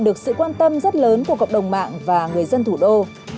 được sự quan tâm rất lớn của cộng đồng mạng và người dân thủ đô